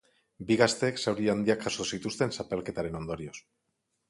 Bi gazteek zauri handiak jaso zituzten zapalketaren ondorioz.